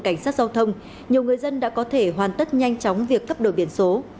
cảnh sát giao thông nhiều người dân đã có thể hoàn tất nhanh chóng việc cấp đổi biển số